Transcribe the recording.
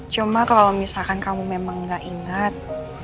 cuma kalau misalkan kamu memang gak ingat